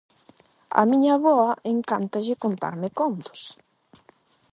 A miña avoa encántalle contarme contos.